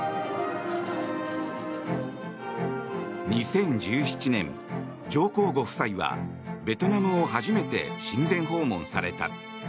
２０１７年、上皇ご夫妻はベトナムを初めて親善訪問された。